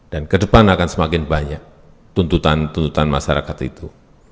dan ke depan akan semakin banyak tuntutan tuntutan masyarakat itu